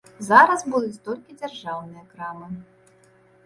Зараз будуць толькі дзяржаўныя крамы.